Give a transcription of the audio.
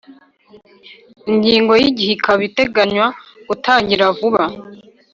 Ingingo y’Igihe ikaba iteganywa gutangira vuba